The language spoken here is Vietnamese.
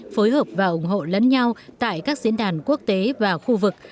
phối hợp và ủng hộ lẫn nhau tại các diễn đàn quốc tế và khu vực